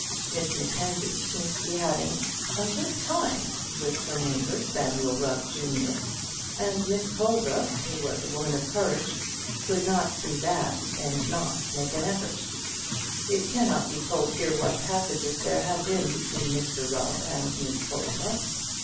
Miss Mackenzie seemed to be having "a good time" with her neighbour Samuel Rubb, junior, and Miss Colza, who was a woman of courage, could not see that and not make an effort. It cannot be told here what passages there had been between Mr Rubb and Miss Colza.